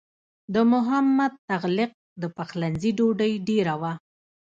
د محمد تغلق د پخلنځي ډوډۍ ډېره وه.